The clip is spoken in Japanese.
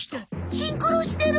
シンクロしてる！